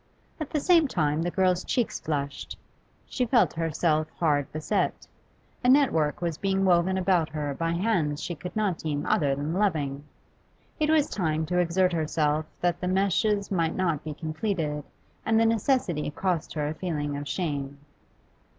At the same time the girl's cheeks flushed. She felt herself hard beset. A network was being woven about her by hands she could not deem other than loving; it was time to exert herself that the meshes might not be completed, and the necessity cost her a feeling of shame.